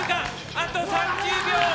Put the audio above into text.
あと３０秒！